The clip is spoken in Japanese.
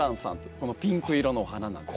このピンク色のお花なんです。